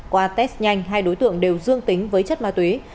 qua test nhanh hai đối tượng đều dương tính với chất ma túy